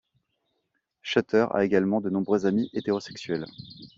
Schuster a également de nombreux amis hétérosexuels.